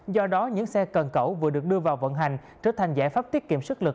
do đó những xe cần cẩu vừa được đưa vào vận hành trở thành giải pháp tiết kiệm sức lực